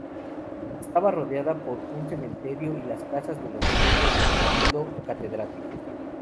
Estaba rodeada por un cementerio y las casas de los miembros del cabildo catedralicio.